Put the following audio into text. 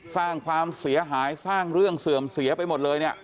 สร้างความเสียหายสร้างเรื่องเสื่อมเสียไปหมดเลยเนี่ย